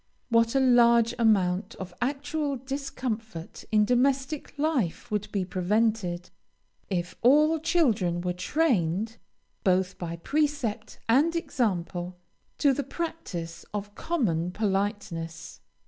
What a large amount of actual discomfort in domestic life would be prevented, if all children were trained, both by precept and example, to the practice of common politeness!